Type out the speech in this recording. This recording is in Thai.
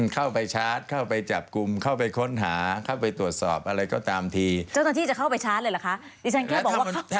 เข้าไปชาร์จเข้าไปจับกลุ่มเข้าไปค้นหาเข้าไปตรวจสอบอะไรก็ตามทีเจ้าหน้าที่จะเข้าไปชาร์จเลยเหรอคะดิฉันแค่บอกว่า